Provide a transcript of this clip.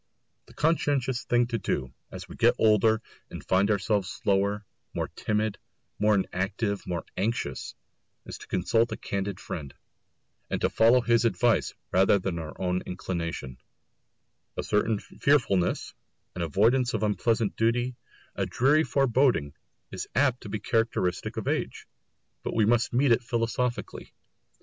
The conscientious thing to do, as we get older and find ourselves slower, more timid, more inactive, more anxious, is to consult a candid friend, and to follow his advice rather than our own inclination; a certain fearfulness, an avoidance of unpleasant duty, a dreary foreboding, is apt to be characteristic of age. But we must meet it philosophically.